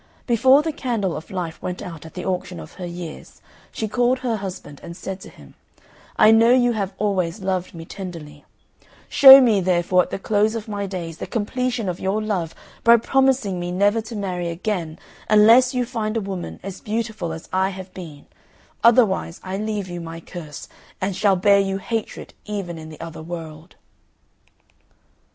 Before the candle of life went out at the auction of her years she called her husband and said to him, "I know you have always loved me tenderly; show me, therefore, at the close of my days the completion of your love by promising me never to marry again, unless you find a woman as beautiful as I have been, otherwise I leave you my curse, and shall bear you hatred even in the other world."